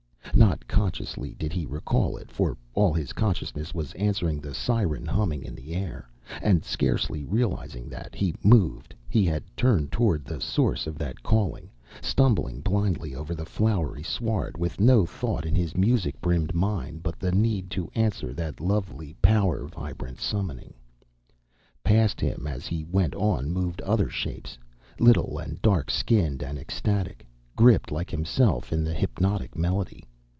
Not consciously did he recall it, for all his consciousness was answering the siren humming in the air, and, scarcely realizing that he moved, he had turned toward the source of that calling, stumbling blindly over the flowery sward with no thought in his music brimmed mind but the need to answer that lovely, power vibrant summoning. Past him as he went on moved other shapes, little and dark skinned and ecstatic, gripped like himself in the hypnotic melody.